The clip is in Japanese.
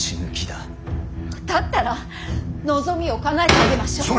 だったら望みをかなえてあげましょう。